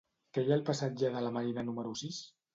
Què hi ha al passatge de la Marina número sis?